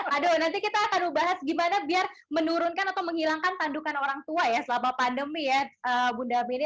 aduh nanti kita akan bahas gimana biar menurunkan atau menghilangkan tandukan orang tua ya selama pandemi ya bunda mini